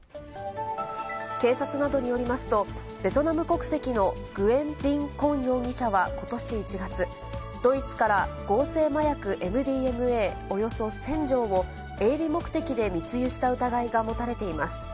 警察などによりますと、ベトナム国籍のグエン・ディン・コン容疑者はことし１月、ドイツから合成麻薬、ＭＤＭＡおよそ１０００錠を、営利目的で密輸した疑いが持たれています。